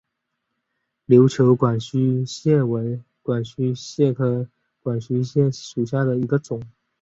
琉球管须蟹为管须蟹科管须蟹属下的一个种。